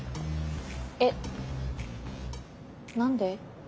えっ何で？